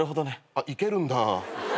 あっいけるんだ。